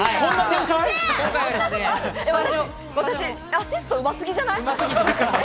私アシストうますぎじゃない？